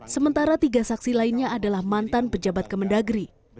sementara tiga saksi lainnya adalah mantan pejabat kemendagri